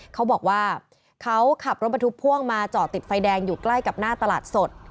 เขาบอกว่าเขาขับรถบรรทุกพ่วงมาจอดติดไฟแดงอยู่ใกล้กับหน้าตลาดสด